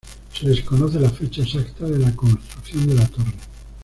Se desconoce la fecha exacta de la construcción de la torre.